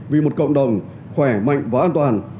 vì một cộng đồng khỏe mạnh và an toàn